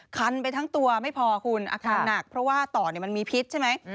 คันไปทั้งตัวไม่พอคุณอาการหนักเพราะว่าต่อมันมีพิษใช่ไหม